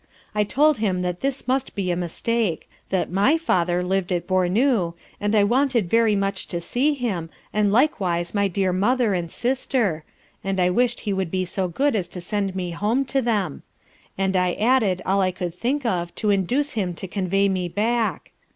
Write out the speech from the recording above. I told him that this must be a mistake; that my father liv'd at Bournou, and I wanted very much to see him, and likewise my dear mother, and sister, and I wish'd he would be so good as to send me home to them; and I added, all I could think of to induce him to convey me back.